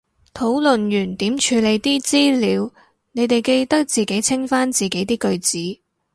討論完點處理啲資料，你哋記得自己清返自己啲句子